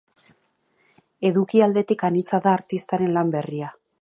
Eduki aldetik anitza da artistaren lan berria.